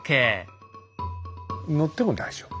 乗っても大丈夫。